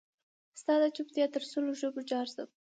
ستا دچوپتیا تر سلو ژبو جارشم